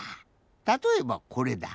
たとえばこれだ。